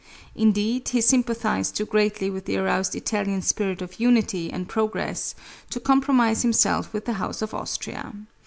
Indeed, he sympathized too greatly with the aroused Italian spirit of unity and progress to compromise himself with the house of Austria.